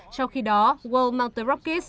trong khi đó wall mang tới rockets